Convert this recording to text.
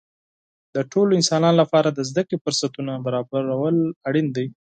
د ټولو انسانانو لپاره د زده کړې فرصتونه برابرول اړین دي.